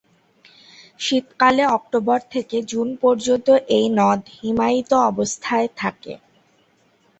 শীতকালে অক্টোবর থেকে জুন পর্যন্ত এই নদ হিমায়িত অবস্থায় থাকে।